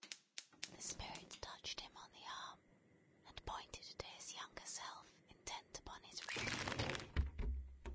The Spirit touched him on the arm, and pointed to his younger self, intent upon his reading.